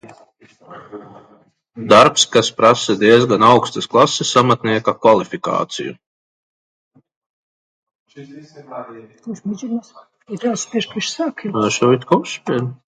Darbs, kas prasa diezgan augstas klases amatnieka kvalifikāciju.